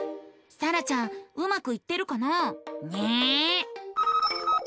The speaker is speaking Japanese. さらちゃんうまくいってるかな？ね。